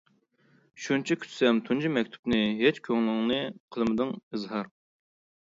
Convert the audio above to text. شۇنچە كۈتسەم تۇنجى مەكتۇپنى، ھېچ كۆڭلۈڭنى قىلمىدىڭ ئىزھار.